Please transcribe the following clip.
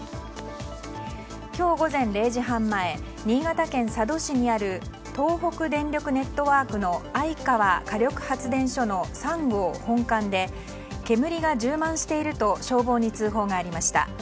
今日午前０時半前新潟県佐渡市にある東北電力ネットワークの相川火力発電所の３号本館で煙が充満していると消防に通報がありました。